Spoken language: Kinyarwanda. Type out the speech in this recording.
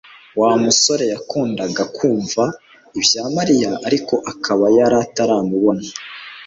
Wa musore yakundaga kumva ibya Mariya ariko akaba yari ataramubona